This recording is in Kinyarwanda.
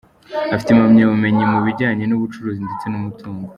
Afite impamyabumenyi mu bijyanye n’ubucuruzi ndetse n’ umutungo.